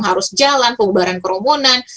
harus jalan pembaharan kerumunan